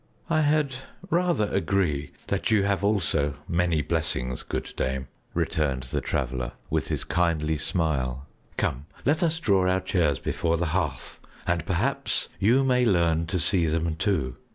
"I had rather agree that you have also many blessings, good dame," returned the Traveler, with his kindly smile. "Come, let us draw our chairs before the hearth, and perhaps you may learn to see them too.